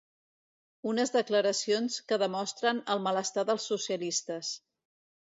Unes declaracions que demostren el malestar dels socialistes.